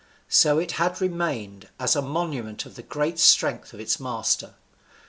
So it had remained, as a monument of the great strength of its master.